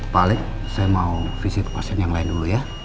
pak alex saya mau visi pasien yang lain dulu ya